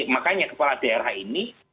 makanya kepala daerah ini